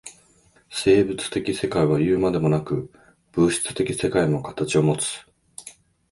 生物的世界はいうまでもなく、物質的世界も形をもつ。